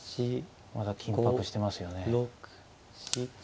まだ緊迫してますよね。